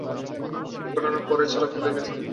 ঘটনার পরই চালক পালিয়ে গেছেন।